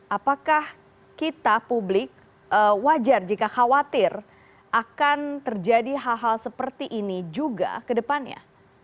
apakah kita publik wajar jika khawatir akan terjadi hal hal seperti ini juga ke depannya